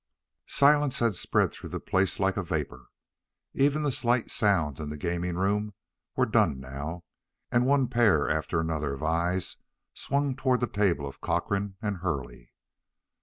Silence had spread through the place like a vapor. Even the slight sounds in the gaming room were done now, and one pair after another of eyes swung toward the table of Cochrane and Hurley.